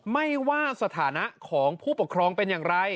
ไม่ว่าสถานะของผู้ปกครองเป็นอย่างไร